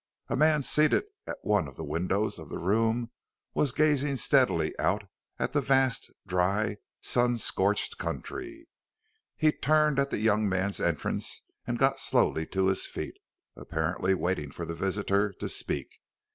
A man seated at one of the windows of the room was gazing steadily out at the vast, dry, sun scorched country. He turned at the young man's entrance and got slowly to his feet, apparently waiting for the visitor to speak.